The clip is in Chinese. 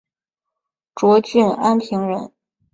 涿郡安平人。